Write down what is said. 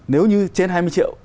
nếu như trên hai mươi triệu